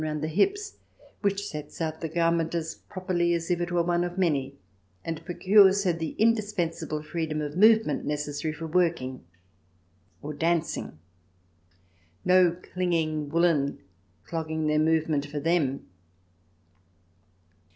ix round the hips, which sets out the garment as properly as if it were one of many, and procures her the indispensable freedom of movement neces sary for working — or dancing. No clinging woollen clogging their movement for them